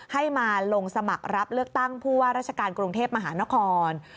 ให้มาลงสมัครรับเลือกตั้งผู้ว่าราชการกรุงเทพมหานคร